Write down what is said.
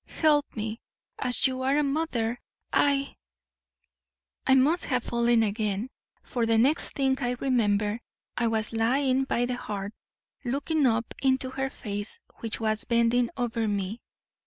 Help me, as you are a mother I ' "I must have fallen again, for the next thing I remember I was lying by the hearth, looking up into her face, which was bending over me.